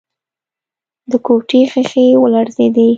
د کوټې ښيښې ولړزېدې.